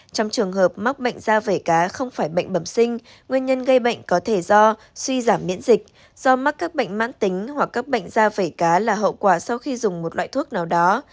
trong trường hợp mắc bệnh da vẩy cá không phải bệnh bẩm sinh nguyên nhân gây bệnh có thể do suy giảm miễn dịch do mắc các bệnh mãn tính hoặc các bệnh da vẩy cá là hậu quả sau khi dùng một loại thuốc nào đó